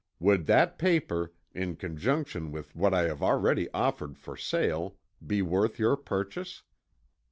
Would that paper, in conjunction with what I have already offered for sale, be worth your purchase?